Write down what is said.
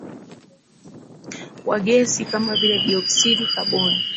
wa gesi kama vile dioksidi kaboni